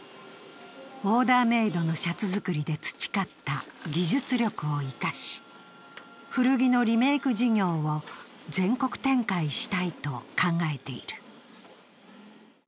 オーダーメードのシャツ作りで培った技術力を生かし、古着のリメーク事業を全国展開したいと考えている。